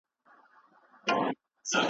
خوشحالي په نېکو اعمالو کي ده.